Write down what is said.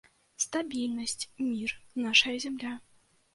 Стабільнасць, мір, нашая зямля.